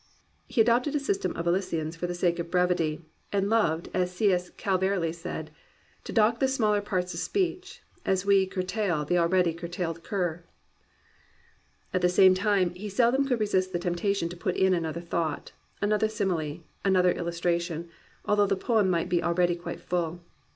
He adopted a system of elisions for the sake of brevity, and loved, as C. S. Calverley said, "to dock the smaller parts of speech As we curtail th* already curtailed cur." At the same time he seldom could resist the tempta tion to put in another thought, another simile, an other illustration, although the poem might be al ready quite full.